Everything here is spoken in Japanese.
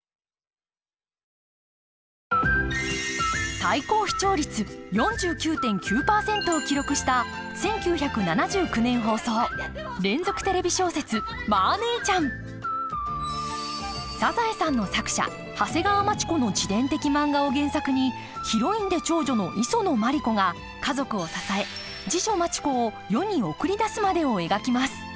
最高視聴率４９．９％を記録した「サザエさん」の作者長谷川町子の自伝的漫画を原作にヒロインで長女の磯野マリ子が家族を支え次女マチ子を世に送り出すまでを描きます